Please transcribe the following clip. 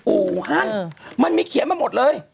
อู่ฮั่นมันมีเขียนมาหมดเลย